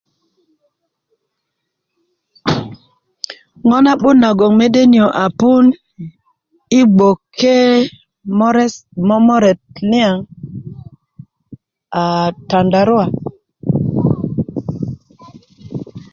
ŋo' na'but nagoŋ mede niyo' a puun yi gboke morets momoret niyaŋ a tandarua